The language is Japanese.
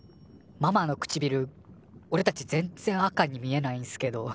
ママの唇おれたち全然赤に見えないんすけど。